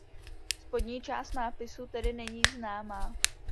Spodní část nápisu tedy není známá.